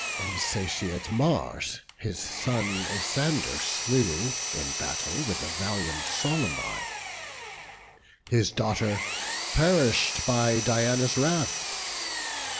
Insatiate Mars his son Isander slew In battle with the valiant Solymi: His daughter perish'd by Diana's wrath.